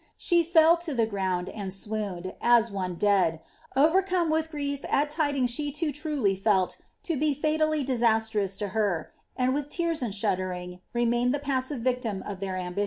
She fell to the ground, and swooned, as one dead, ofercome with grief at tidings she too truly felt to be fetelly disastrous to her; and widi teait and shuddering remained the passive victini of their amUiion.